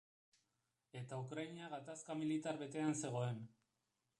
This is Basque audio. Eta Ukraina gatazka militar betean zegoen.